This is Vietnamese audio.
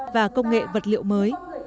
và công nghệ vật liệu mới